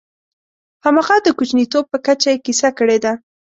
همغه د کوچنیتوب په کچه یې کیسه کړې ده.